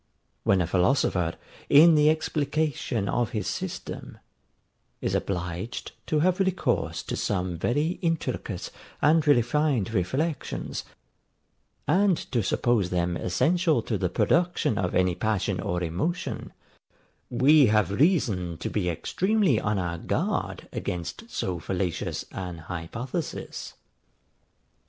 When a philosopher, in the explication of his system, is obliged to have recourse to some very intricate and refined reflections, and to suppose them essential to the production of any passion or emotion, we have reason to be extremely on our guard against so fallacious an hypothesis.